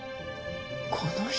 この人？